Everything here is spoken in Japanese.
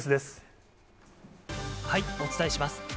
お伝えします。